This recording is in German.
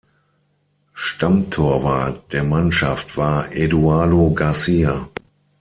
Stammtorwart der Mannschaft war Eduardo García.